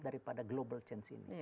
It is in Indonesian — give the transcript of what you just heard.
daripada global change ini